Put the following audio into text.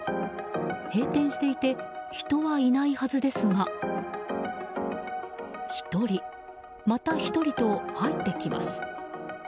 閉店していて人はいないはずですが１人、また１人と入ってきます。